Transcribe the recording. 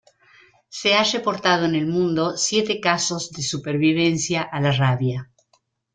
Se ha reportado en el mundo siete casos de supervivencia a la rabia.